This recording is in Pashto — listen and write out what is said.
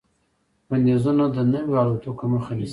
بندیزونه د نویو الوتکو مخه نیسي.